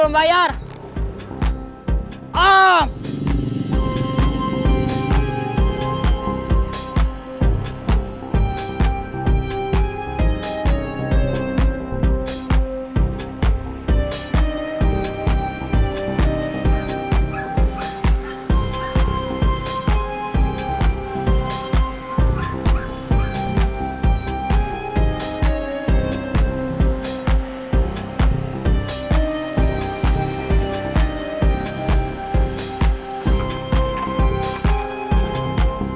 bubun di terminal